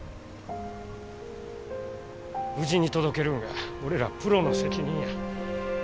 無事に届けるんが俺らプロの責任や。